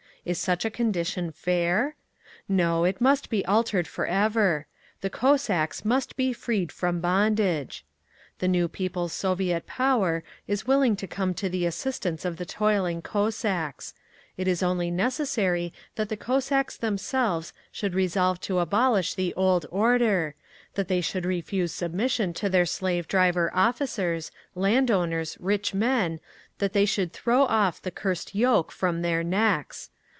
Is such a condition fair? No, it must be altered for ever. THE COSSACKS MUST BE FREED FROM BONDAGE. The new People's Soviet power is willing to come to the assistance of the toiling Cossacks. It is only necessary that the Cossacks themselves should resolve to abolish the old order, that they should refuse submission to their slave driver officers, land owners, rich men, that they should throw off the cursed yoke from their necks.